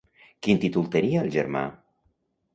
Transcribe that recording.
Quin títol tenia el germà?